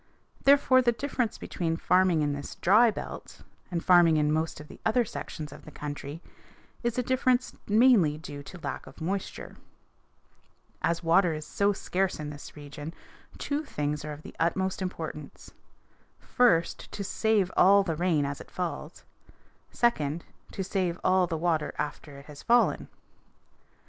Therefore the difference between farming in this dry belt and farming in most of the other sections of our country is a difference mainly due to a lack of moisture. As water is so scarce in this region two things are of the utmost importance: first, to save all the rain as it falls; second, to save all the water after it has fallen.